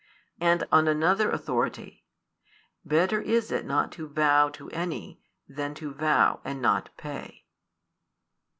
4 And on other authority: Better is it not to vow to any, than to vow and not pay.